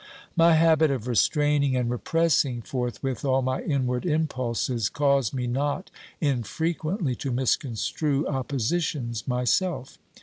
My habit of restraining and repressing forthwith all my inward impulses caused me not infrequently to misconstrue oppositions myself.